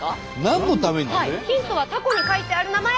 ヒントはたこに書いてある名前。